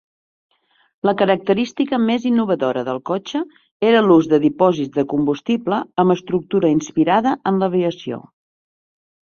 La característica més innovadora del cotxe era l'ús de dipòsits de combustible amb estructura inspirada en l'aviació.